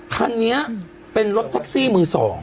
คันนี้เป็นรถแท็กซี่มือ๒